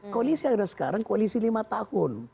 koalisi yang ada sekarang koalisi lima tahun